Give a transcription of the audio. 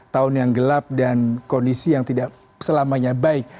tahun yang gelap dan kondisi yang tidak selamanya baik